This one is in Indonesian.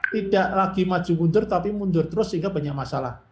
tidak lagi maju mundur tapi mundur terus sehingga banyak masalah